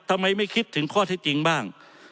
ทำไมไม่คิดถึงข้อเท็จจริงบ้าง